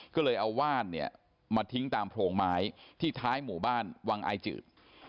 ก็เลยเอาว่านเนี่ยมาทิ้งตามโพรงไม้ที่ท้ายหมู่บ้านวังอายจืด